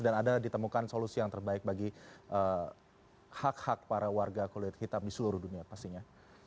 dan ada ditemukan solusi yang terbaik bagi hak hak para warga kulit hitam di seluruh dunia pastinya